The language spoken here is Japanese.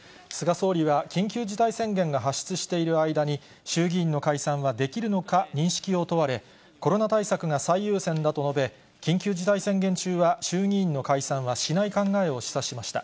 総理は、緊急事態宣言が発出している間に、衆議院の解散はできるのか認識を問われ、コロナ対策が最優先だと述べ、緊急事態宣言中は、衆議院の解散はしない考えを示唆しました。